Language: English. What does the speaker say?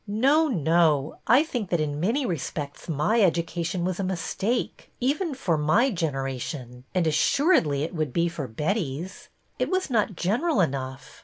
No, no ! I think that in many respects my education was a mistake, even for my generation, and assuredly it would be for Betty's. It was not general enough.